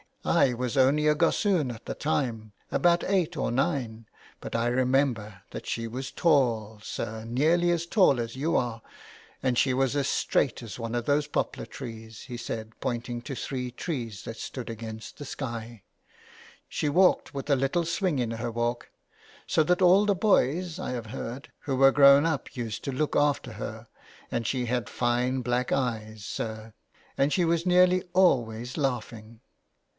I was only a gossoon at the time, about eight or nine, but I remember that she was tall, sir, nearly • 214 JULIA CAHILL'S CURSE. as tall as you are, and she was as straight as one of those poplar trees," he said, pointing to three trees that stood against the sky. " She walked with a little swing in her walk, so that all the boys, I have, heard, who were grown up used to look after her and she had fine black eyes, sir, and she was nearly always laughing.